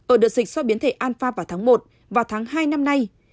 ở đợt dịch so với biến thể alpha vào tháng một và tháng hai năm nay